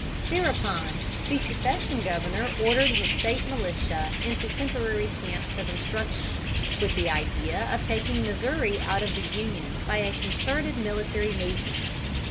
Thereupon, the secession governor ordered his State militia into temporary camps of instruction, with the idea of taking Missouri out of the Union by a concerted military movement.